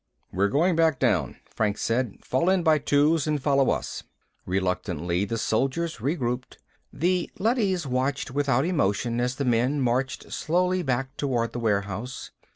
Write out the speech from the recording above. "We're going back down," Franks said. "Fall in by twos and follow us." Reluctantly, the soldiers regrouped. The leadys watched without emotion as the men marched slowly back toward the warehouse.